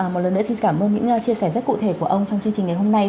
một lần nữa xin cảm ơn những chia sẻ rất cụ thể của ông trong chương trình ngày hôm nay